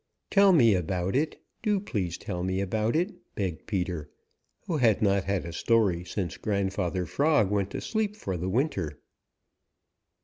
"Tell me about it. Do please tell me about it," begged Peter, who had not had a story since Grandfather Frog went to sleep for the winter.